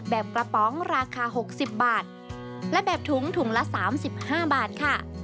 แบบกระป๋องราคา๖๐บาทและแบบถุงถุงละ๓๕บาทค่ะ